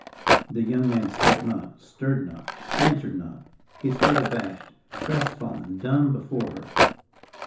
The young man spoke not, stirred not, answered not. He stood abashed, crest fallen, dumb before her.